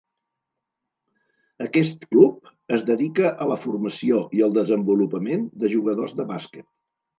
Aquest club es dedica a la formació i al desenvolupament de jugadors de bàsquet.